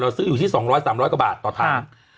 ซื้ออยู่ที่๒๐๐๓๐๐กว่าบาทต่อถัง